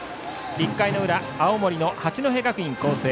１回の裏、青森の八戸学院光星